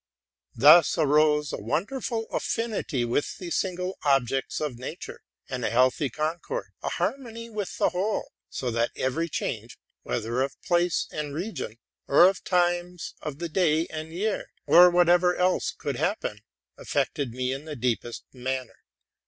Thus arose a wonderful affinity with the single objects of nature, and a hearty concord, a harmony with the whole; so that every change, whether of place and region, or of the times of the day and year, or whatever else could happen, affected me in the deepest manner.